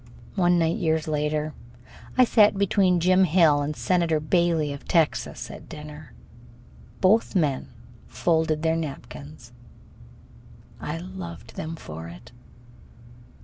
One night, years later, I sat between Jim Hill and Senator Bailey of Texas at a dinner. Both men folded their napkins. I loved them for it.